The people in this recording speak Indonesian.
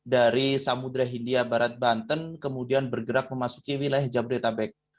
dari samudera hindia barat banten kemudian bergerak memasuki wilayah jabodetabek